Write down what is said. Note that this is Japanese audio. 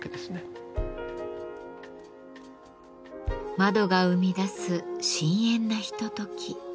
窓が生み出す深遠なひととき。